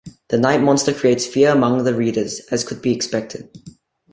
The night monster creates fears among the readers, as could be expected.